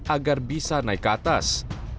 agar bisa naik ke atas